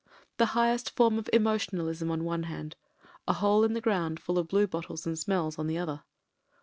... The highest form of emotionalism on one hand : a hole in the ground full of bluebottles and smells on the other.